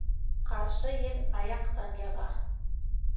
Ҡаршы ел аяҡтан йыға.